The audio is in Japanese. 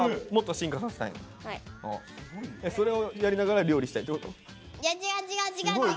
それをやりながら料理したいってこと？